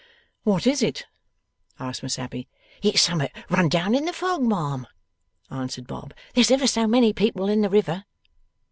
'What is it?' asked Miss Abbey. 'It's summut run down in the fog, ma'am,' answered Bob. 'There's ever so many people in the river.